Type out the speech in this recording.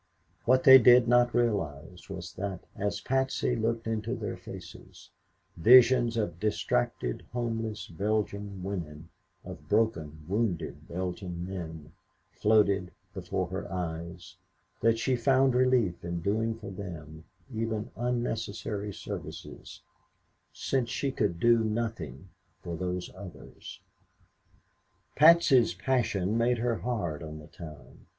What they did not realize was that, as Patsy looked into their faces, visions of distracted, homeless Belgian women, of broken, wounded Belgian men, floated before her eyes, that she found relief in doing for them even unnecessary services since she could do nothing for those others. Patsy's passion made her hard on the town.